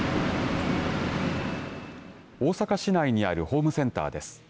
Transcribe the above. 大阪市内にあるホームセンターです。